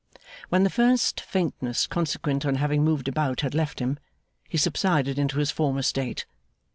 When the first faintness consequent on having moved about had left him, he subsided into his former state.